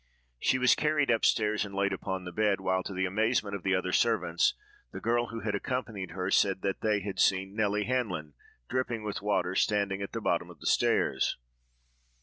She was carried up stairs and laid upon the bed, while, to the amazement of the other servants, the girl who had accompanied her said that they had seen Nelly Hanlon, dripping with water, standing at the bottom of the stairs.